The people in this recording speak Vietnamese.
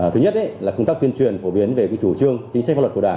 thứ nhất là công tác tuyên truyền phổ biến về chủ trương chính sách pháp luật của đảng